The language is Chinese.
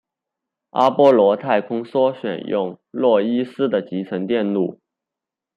阿波罗太空梭选用诺伊斯的集成电路。